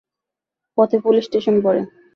পথে police station পড়ে?